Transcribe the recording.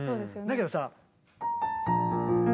だけどさ。